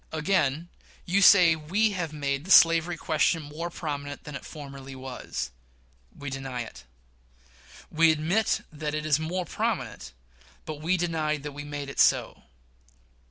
Again: You say we have made the slavery question more prominent than it formerly was. We deny it. We admit that it is more prominent, but we deny that we made it so.